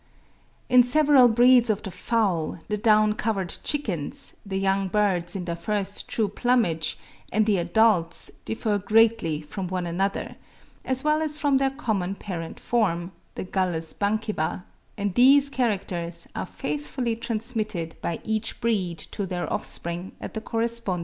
In several breeds of the Fowl, the down covered chickens, the young birds in their first true plumage, and the adults differ greatly from one another, as well as from their common parent form, the Gallus bankiva; and these characters are faithfully transmitted by each breed to their offspring at the corresponding periods of life.